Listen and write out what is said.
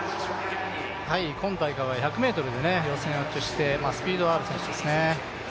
今大会は１００ｍで予選落ちして、スピードはある選手ですね。